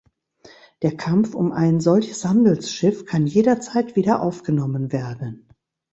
Der Kampf um ein solches Handelsschiff kann jederzeit wieder aufgenommen werden.